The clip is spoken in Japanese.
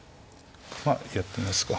まあやってみますか。